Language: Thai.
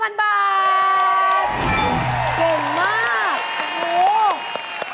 เก่งมาก